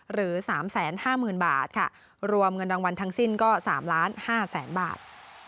หรือ๓๕๐๐๐บาทค่ะรวมเงินรางวัลทั้งสิ้นก็๓๕๐๐๐๐บาท